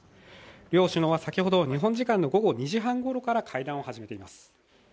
両首脳は先ほど日本時間の午後２時半ごろから会談を始めています。